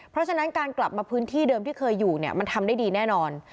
เพราะฉะนั้นการกลับมาพื้นที่เดิมที่เคยอยู่เนี่ยมันทำได้ดีแน่นอน